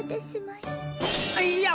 いや！